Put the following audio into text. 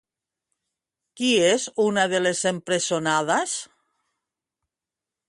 Qui és una de les empresonades?